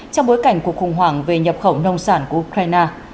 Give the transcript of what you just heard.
trong bối cảnh cuộc khủng hoảng về nhập khẩu nông sản của ukraine